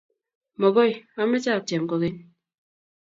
mokoi ameche atiem kogeny.